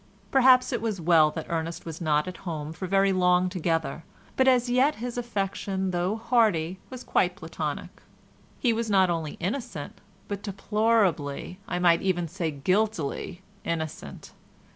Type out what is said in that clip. Perhaps it was well that Ernest was not at home for very long together, but as yet his affection though hearty was quite Platonic. He was not only innocent, but deplorably—I might even say guiltily—innocent.